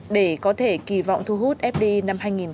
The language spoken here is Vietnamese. để có thể kỳ vọng thu hút fdi